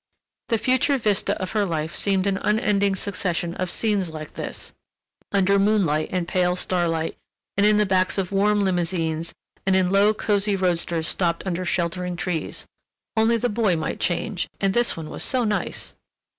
The future vista of her life seemed an unending succession of scenes like this: under moonlight and pale starlight, and in the backs of warm limousines and in low, cosy roadsters stopped under sheltering trees—only the boy might change, and this one was so nice.